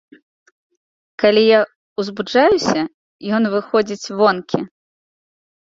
Калі я ўзбуджаюся, ён выходзіць вонкі.